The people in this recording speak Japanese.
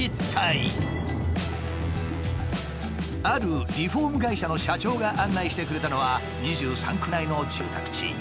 あるリフォーム会社の社長が案内してくれたのは２３区内の住宅地。